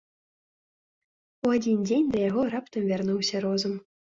У адзін дзень да яго раптам вярнуўся розум.